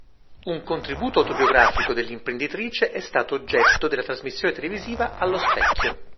Un contributo autobiografico dell'imprenditrice è stato oggetto della trasmissione televisiva "Allo specchio.